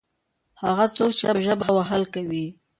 هغه څوک چې په ژبه وهل کوي.